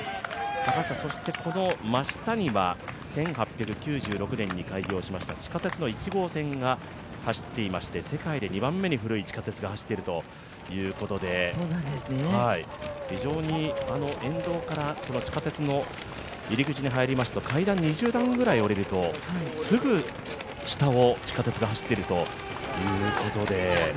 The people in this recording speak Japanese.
そしてこの真下には１８９６年に開業しました地下鉄の１号線が走っていまして世界で２番目に古い地下鉄が走っているということで非常に沿道から地下鉄の入り口に入りますと階段２０段ぐらい下りると、すぐ下を地下鉄が走っているということで。